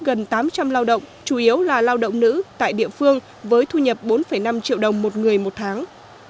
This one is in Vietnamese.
công ty thu hút gần tám trăm linh lao động chủ yếu là lao động nữ tại địa phương với thu nhập bốn năm triệu đồng một người một tháng